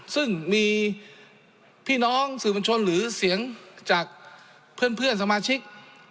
ซึ่งมีพี่น้องสื่อมวลชนหรือเสียงจากเพื่อนสมาชิก